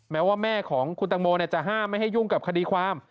แม้ว่าแม่ของคุณตังโมจะห้ามไม่ให้ยุ่งกับคดีความ